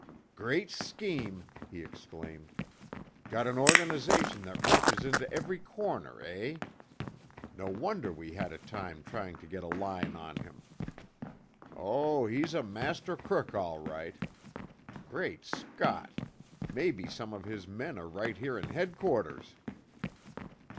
"Great scheme!" he exclaimed. "Got an organization that reaches into every corner, eh? No wonder we had a time trying to get a line on him! Oh, he's a master crook all right! Great Scott! Maybe some of his men are right here in headquarters!"